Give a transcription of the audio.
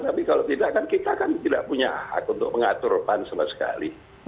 tapi kalau tidak kan kita kan tidak punya hak untuk mengatur pan sama sekali